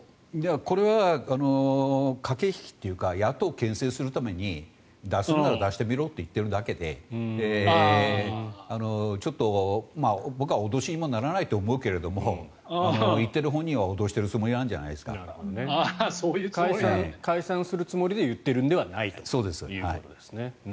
これは駆け引きというか野党をけん制するために出すなら出してみろと言っているだけでちょっと、僕は脅しにもならないと思うけれど言っている本人は脅しているつもりなんじゃないですか。解散するつもりで言っているのではないと。